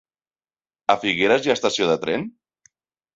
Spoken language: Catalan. A Figueres hi ha estació de tren?